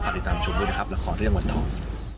ติดตามชมด้วยนะครับละครเรื่องวันทอง